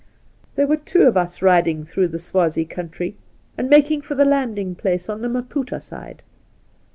' There were two of us riding through the Swaziie country, and making for the landing place on the Maputa side.